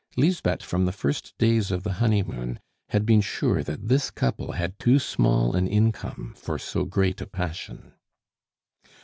Lisbeth, from the first days of the honeymoon, had been sure that this couple had too small an income for so great a passion.